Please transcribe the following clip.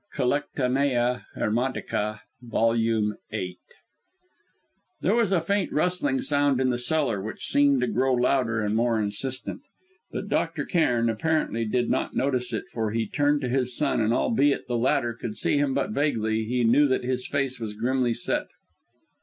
Collectanea Hermetica. Vol. VIII.] There was a faint rustling sound in the cellar, which seemed to grow louder and more insistent, but Dr. Cairn, apparently, did not notice it, for he turned to his son, and albeit the latter could see him but vaguely, he knew that his face was grimly set.